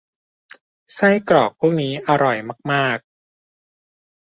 ไส้กรอกพวกนี้อร่อยมาก ๆ